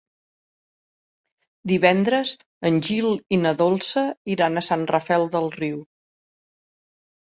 Divendres en Gil i na Dolça iran a Sant Rafel del Riu.